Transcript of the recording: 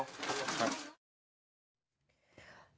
ครับ